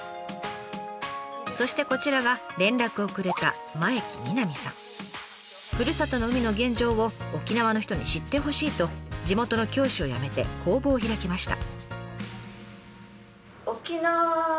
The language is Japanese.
そしてこちらが連絡をくれたふるさとの海の現状を沖縄の人に知ってほしいと地元の教師を辞めて工房を開きました。